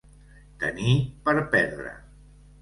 Tenir per perdre.